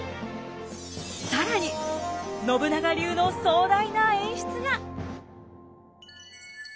更に信長流の壮大な演出が。